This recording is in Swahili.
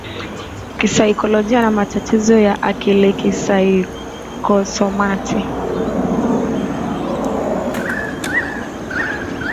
kisaikolojia na matatizo ya akilikisaikosomati